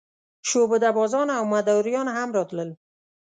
شعبده بازان او مداریان هم راتلل.